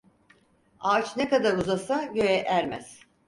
Ağaç ne kadar uzasa göğe ermez.